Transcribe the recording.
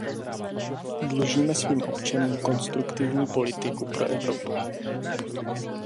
Dlužíme svým občanům konstruktivní politiku pro Evropu.